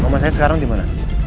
mama saya sekarang dimana